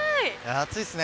暑いっすね。